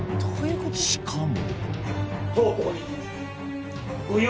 ［しかも］